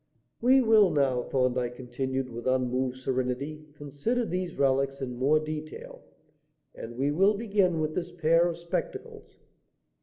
"We will now," Thorndyke continued, with unmoved serenity, "consider these relics in more detail, and we will begin with this pair of spectacles.